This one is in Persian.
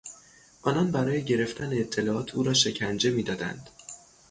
آنان برای گرفتن اطلاعات، او را شکنجه میدادند.